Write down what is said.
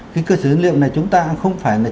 cái cơ sở dữ liệu này chúng ta không phải là